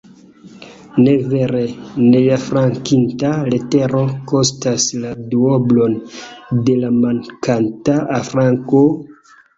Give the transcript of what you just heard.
Ne vere, neafrankita letero kostas la duoblon de la mankanta afranko?